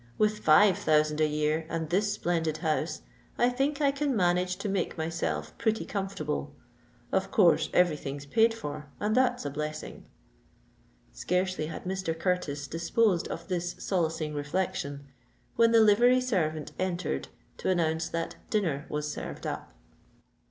with five thousand a year and this splendid house, I think I can manage to make myself pretty comfortable. Of course every thing's paid for—and that's a blessing!" Scarcely had Mr. Curtis disposed of this solacing reflection, when the livery servant entered to announce that "dinner was served up."